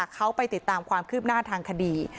เขาไปติดตามความคืบหน้าทางคดี